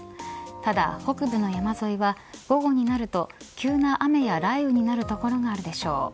ただ北部の山沿いは午後になると急な雨や雷雨になる所があるでしょう。